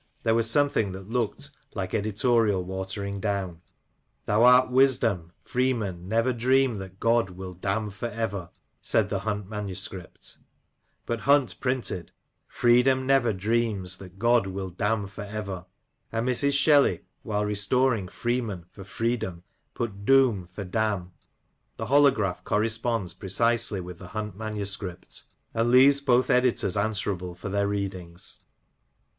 there was something that looked like editorial watering down ;—" Thou art Wisdom — Freemen never Dream that God will damn for ever " said the Hunt manuscript ; but Hunt printed Freedom never Dreams that God will damn for ever," and Mrs. Shelley, while restoring F^'eemen for Freedom, put doom for damn. The holograph corresponds pre cisely with the Hunt manuscript, and leaves both editors answerable for their readings.